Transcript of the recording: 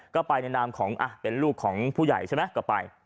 ก็ไปในนามของเป็นลูกของผู้ใหญ่ใช่ไหมก็ไป